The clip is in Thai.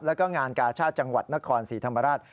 แล้วก็งานกาชาติจังหวัดนครศรีธรรมราช